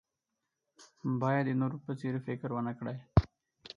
باید د نورو په څېر فکر ونه کړئ.